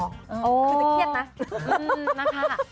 คือจะเครียดนะ